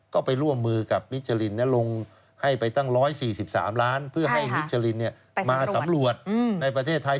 ก็ไปร่วมมือกับมิชลินลงให้ไปตั้ง๑๔๓ล้านเพื่อให้มิชลินมาสำรวจในประเทศไทย